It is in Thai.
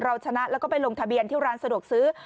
เราชนะแล้วก็ไปลงทะเบียนที่ร้านสะดวกซื้อ